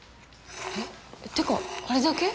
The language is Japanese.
えっ？ってかあれだけ？